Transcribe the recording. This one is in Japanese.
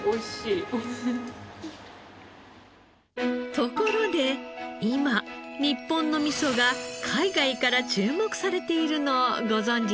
ところで今日本の味噌が海外から注目されているのをご存じですか？